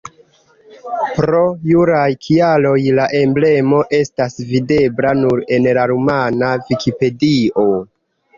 Pro juraj kialoj la emblemo estas videbla nur en la rumana vikipedio.